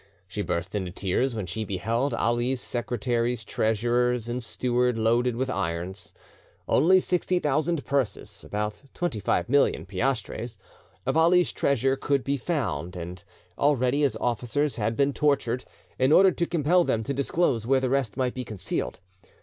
She burst into tears when she beheld Ali's secretaries, treasurers, and steward loaded with irons. Only sixty thousand purses (about twenty five million piastres) of Ali's treasure could be found, and already his officers had been tortured, in order to compel them to disclose where the rest might be concealed.